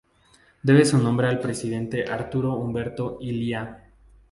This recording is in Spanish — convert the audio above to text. Debe su nombre al presidente Arturo Umberto Illia.